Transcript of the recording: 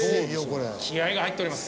気合が入っております